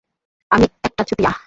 আমি একটা চুতিয়া।